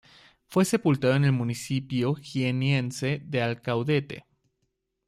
Fue sepultado en el municipio jienense de Alcaudete.